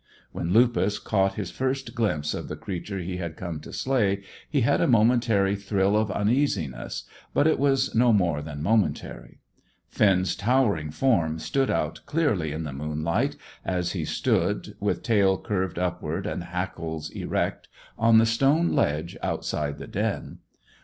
When Lupus caught his first glimpse of the creature he had come to slay, he had a momentary thrill of uneasiness, but it was no more than momentary. Finn's towering form stood out clearly in the moonlight, as he stood, with tail curved upward and hackles erect, on the stone ledge outside the den.